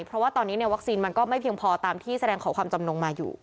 เพราะว่าตอนนี้วัคซีนมันก็ไม่เพียงพอตามที่แสดงขอความจำนงมาอยู่